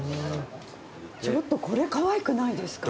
ちょっとこれかわいくないですか？